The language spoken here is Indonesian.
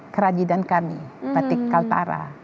kerajinan kami batik kaltara